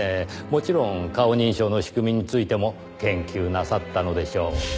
もちろん顔認証の仕組みについても研究なさったのでしょう。